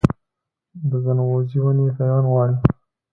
د ځنغوزي ونې پیوند غواړي؟